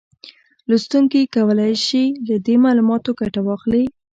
لوستونکي کولای شي له دې معلوماتو ګټه واخلي